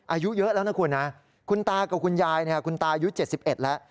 อายุเยอะแล้วนะคุณนะคุณตากับคุณยายเนี่ยคุณตายุ๗๑แล้ว